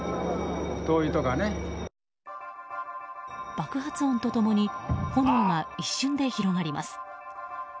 爆発音と共に炎が一瞬で広がります。